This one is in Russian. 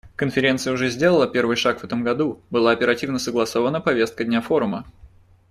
Конференция уже сделала первый шаг в этом году: была оперативно согласована повестка дня форума.